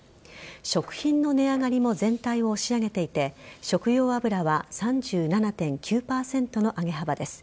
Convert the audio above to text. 食品の値上がりも全体を押し上げていて食用油は３７．９％の上げ幅です。